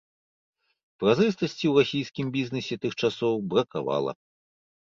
Празрыстасці ў расійскім бізнэсе тых часоў бракавала.